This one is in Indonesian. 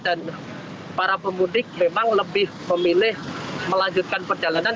dan para pemudik memang lebih memilih melanjutkan perjalanan